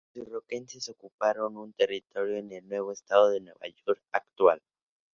Los iroqueses ocuparon un territorio en el estado de Nueva York actual.